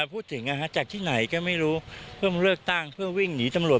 พูดถึงอ่ะฮะจากที่ไหนก็ไม่รู้เพิ่มเลิกตั้งเพิ่มวิ่งหนีตำลวด